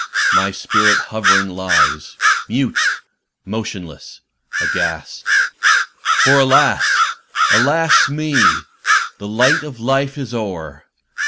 my spirit hovering lies Mute, motionless, aghast! For, alas! alas! with me The light of Life is o'er!